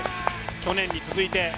去年に続いて。